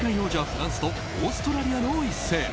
フランスとオーストラリアの一戦。